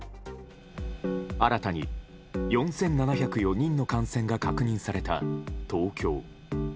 新たに４７０４人の感染が確認された東京。